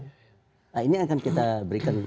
nah ini akan kita berikan